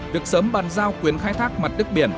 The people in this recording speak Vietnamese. việc sớm bàn giao quyền khai thác mặt đất biển